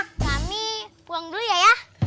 kami pulang dulu ya ya